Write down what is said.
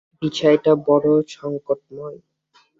বিষয়টা বড়ো সংকটময়।